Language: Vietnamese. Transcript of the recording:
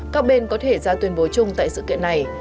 các bên có thể ra tuyên bố chung tại sự kiện này